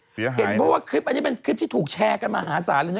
เห็นเพราะว่าคลิปอันนี้เป็นคลิปที่ถูกแชร์กันมหาศาลเลยนะ